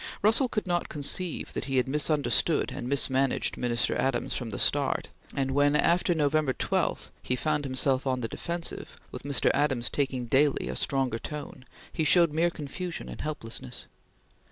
Russell could not conceive that he had misunderstood and mismanaged Minister Adams from the start, and when after November 12 he found himself on the defensive, with Mr Adams taking daily a stronger tone, he showed mere confusion and helplessness.